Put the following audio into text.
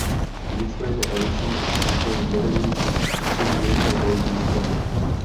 Nicméně Allison odstoupil z vedení tři dny po založení strany.